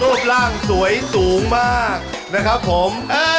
รูปร่างสวยสูงมากนะครับผม